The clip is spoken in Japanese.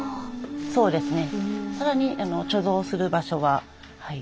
そうですね。